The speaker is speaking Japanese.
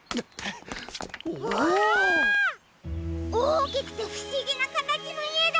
おおきくてふしぎなかたちのいえだ！